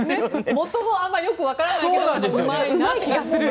元もあまりよくわからないけどうまいですよね。